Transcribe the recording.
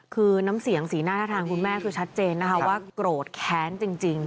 คือน้ำเสียงสีหน้าท่าทางคุณแม่คือชัดเจนนะคะว่าโกรธแค้นจริง